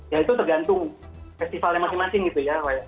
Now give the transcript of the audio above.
ya itu tergantung festivalnya masing masing gitu ya